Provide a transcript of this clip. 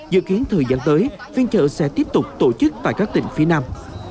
dự kiến thời gian tới phiên chợ sẽ tiếp tục tổ chức tại các tỉnh phía nam